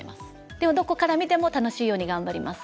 でもどこから見ても楽しいように頑張ります。